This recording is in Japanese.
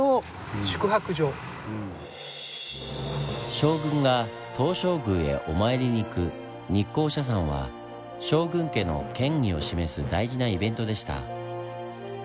将軍が東照宮へお参りに行く「日光社参」は将軍家の権威を示す大事なイベントでした。